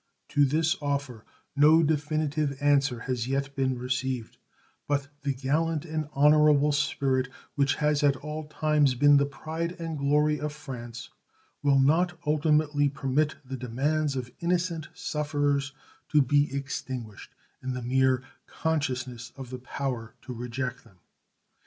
To this offer no definitive answer has yet been received, but the gallant and honorable spirit which has at all times been the pride and glory of France will not ultimately permit the demands of innocent sufferers to be extinguished in the mere consciousness of the power to reject them.